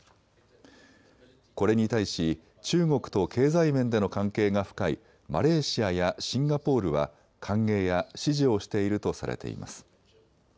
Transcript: これに対し中国と経済面での関係が深いマレーシアやシンガポールは歓迎や支持をしているとされています。